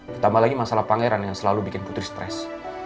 ditambah lagi masalah pangeran yang selalu bikin putri stres